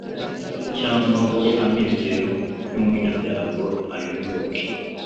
cyangwa ngo amizero y’umunyabyago ayoyoke